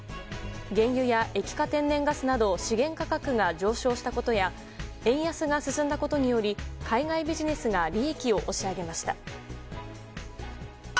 原油や液化天然ガスなど資源価格が上昇したことや円安が進んだことにより海外ビジネスが利益を押し上げました。